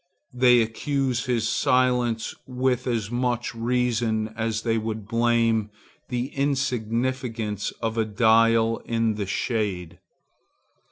They accuse his silence with as much reason as they would blame the insignificance of a dial in the shade.